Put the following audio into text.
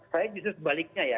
saya justru sebaliknya ya